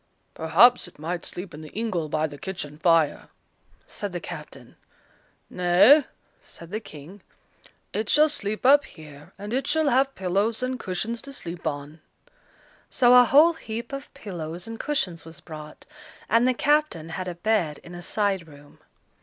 "Perhaps it might sleep in the ingle by the kitchen fire," said the captain. "Nay," said the King, "it shall sleep up here, and it shall have pillows and cushions to sleep on." So a whole heap of pillows and cushions was brought, and the captain had a bed in a side room.